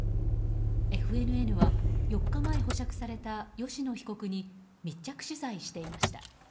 ＦＮＮは４日前保釈された吉野被告に密着取材していました。